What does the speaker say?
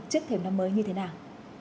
trước thêm năm mới như thế nào